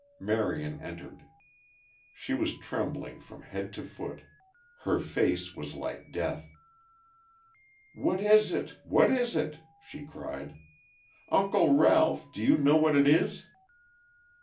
Marion entered. She was trembling from head to foot; her face was like death. "What is it, what is it?" she cried. "Uncle Ralph, do you know what it is?"